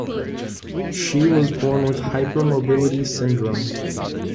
She was born with hypermobility syndrome.